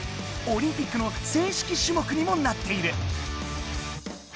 オリンピックの正式種目にもなっている！